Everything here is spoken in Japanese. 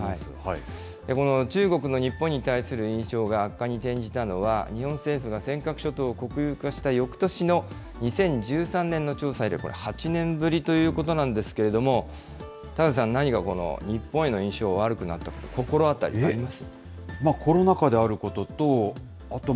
中国の日本に対する印象が悪化に転じたのは、日本政府が尖閣諸島を国有化したよくとしの２０１３年の調査以来、これ、８年ぶりということなんですけれども、高瀬さん、何がこの日本への印象が悪くなった、心当たりあります？